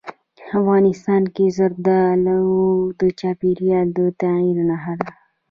افغانستان کې زردالو د چاپېریال د تغیر نښه ده.